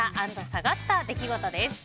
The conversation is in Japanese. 下がった出来事です。